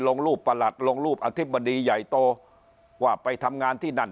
ลงรูปประหลัดลงรูปอธิบดีใหญ่โตว่าไปทำงานที่นั่น